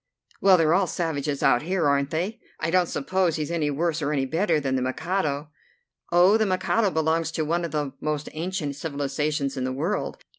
"Well, they're all savages out here, aren't they? I don't suppose he's any worse or any better than the Mikado." "Oh, the Mikado belongs to one of the most ancient civilizations in the world.